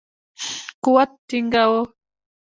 قوت ټینګاوه.